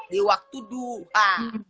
di waktu dua